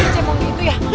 cepung gitu ya